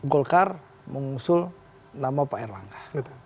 golkar mengusul nama pak erlangga